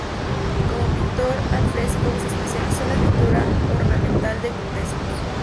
Como pintor al fresco se especializó en la pintura ornamental de grutescos.